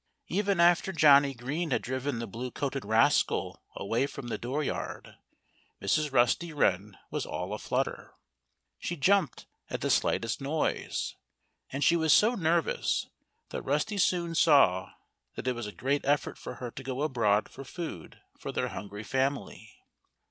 Even after Johnnie Green had driven the blue coated rascal away from the dooryard Mrs. Rusty Wren was all aflutter. She jumped at the slightest noise. And she was so nervous that Rusty soon saw that it was a great effort for her to go abroad for food for their hungry family.